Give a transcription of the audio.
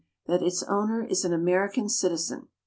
1 3 that its owner is an American citizen.